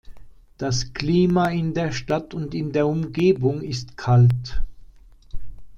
Das Klima in der Stadt und in der Umgebung ist kalt.